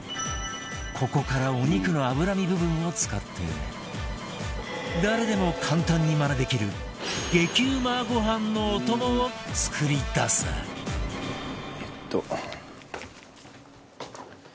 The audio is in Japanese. ここからお肉の脂身部分を使って誰でも簡単にマネできる激うまご飯のお供を作り出すえっと。